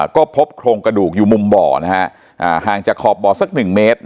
ก็พบโครงกระดูกอยู่มุมบ่อห่างจากขอบบ่อสัก๑เมตร